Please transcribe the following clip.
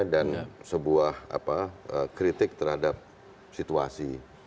dan sebuah kritik terhadap situasi